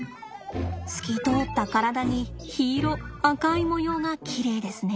透き通った体に緋色赤い模様がきれいですね。